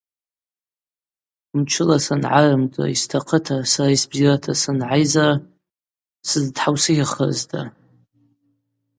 Мчыла сангӏарымдра, йстахъыта, сара йсбзирата сангӏайзара – сыздтхӏаусыхахрызда.